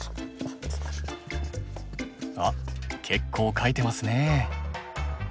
あっ結構書いてますね。